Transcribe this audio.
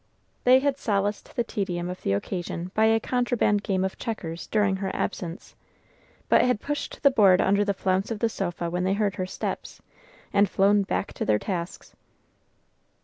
They had solaced the tedium of the occasion by a contraband game of checkers during her absence, but had pushed the board under the flounce of the sofa when they heard her steps, and flown back to their tasks.